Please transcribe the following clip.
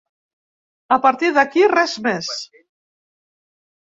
A partir d’aquí, res més.